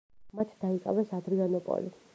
მათ დაიკავეს ადრიანოპოლი.